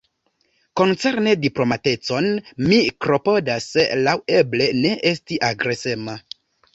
Koncerne diplomatecon, mi klopodas, laŭeble, ne esti agresema.